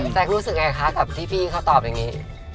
รู้สึกไงคะกับที่พี่เขาตอบอย่างนี้